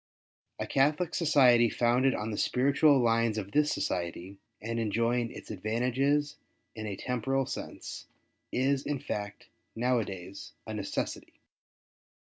A Catholic Society founded on the spiritual lines of this Society, and enjoy ing its advantages in a temporal sense, is in fact, now a days, a necessity.